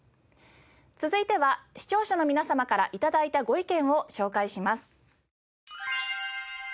続いては視聴者の皆様から頂いたご意見を紹介します。